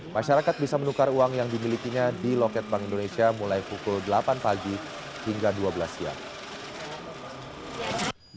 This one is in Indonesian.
masyarakat bisa menukar uang yang dimilikinya di loket bank indonesia mulai pukul delapan pagi hingga dua belas siang